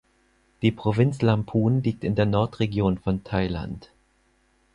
Die Provinz Lamphun liegt in der Nordregion von Thailand.